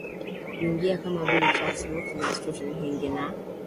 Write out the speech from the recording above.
kuingia kama vile Chatsworth au Stonehenge na